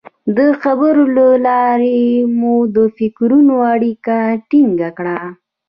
د خبرو له لارې مو د فکرونو اړیکه ټینګه کړه.